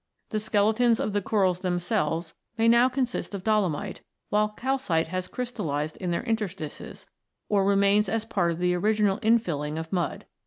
The skeletons of the corals themselves may now consist of dolomite, while calcite has crystallised in their interstices, or remains as part of the original infilling of mud.